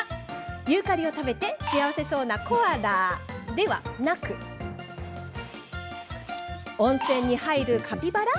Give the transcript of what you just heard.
ユーカリを食べて幸せそうなコアラではなく温泉に入るカピバラ？